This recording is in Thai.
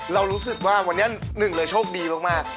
เรารู้สึกว่าวันนี้หนึ่งเลยโชคดีมาก